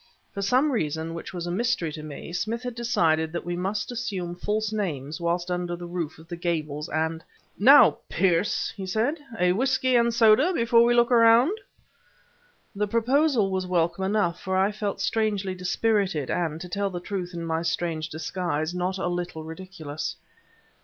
For some reason which was a mystery to me, Smith had decided that we must assume false names whilst under the roof of the Gables; and: "Now, Pearce," he said, "a whisky and soda before we look around?" The proposal was welcome enough, for I felt strangely dispirited, and, to tell the truth, in my strange disguise, not a little ridiculous.